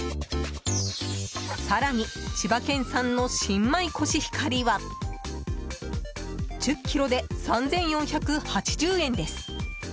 更に千葉県産の新米コシヒカリは１０ｋｇで３４８０円です。